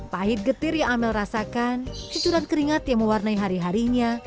pahit getir yang amel rasakan cucuran keringat yang mewarnai hari harinya